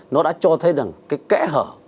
nó đã cho thấy rằng cái kẽ hở